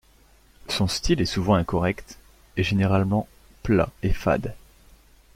Son style est souvent incorrect, et généralement plat et fade.